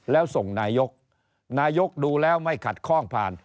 แล้วส่งนายกนายกดูแล้วไม่ขัดข้องผ่าน